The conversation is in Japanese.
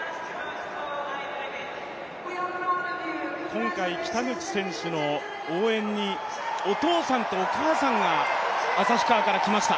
今回北口選手の応援にお父さんとお母さんが旭川から来ました。